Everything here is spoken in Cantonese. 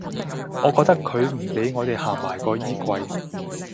我覺得佢唔畀我地行埋個衣櫃